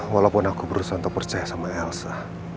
walaupun aku berusaha untuk percaya sama elsa